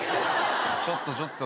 ちょっとちょっと。